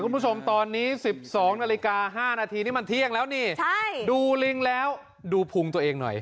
คุณผู้ชมตอนนี้๑๒นาฬิกา๕นาทีนี่มันเที่ยงแล้วนี่ดูลิงแล้วดูพุงตัวเองหน่อย